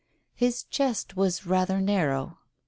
His chest was rather narrow.